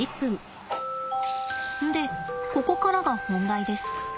でここからが本題です。